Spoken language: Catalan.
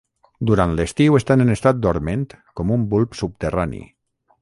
Durant l'estiu estan en estat dorment com un bulb subterrani.